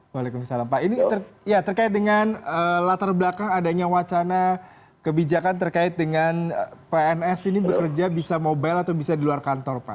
waalaikumsalam pak ini terkait dengan latar belakang adanya wacana kebijakan terkait dengan pns ini bekerja bisa mobile atau bisa di luar kantor pak